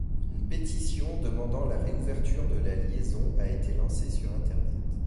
Une pétition demandant la réouverture de la liaison a été lancée sur Internet.